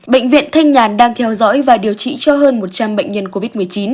bệnh viện thanh nhàn đang theo dõi và điều trị cho hơn một trăm linh bệnh nhân covid một mươi chín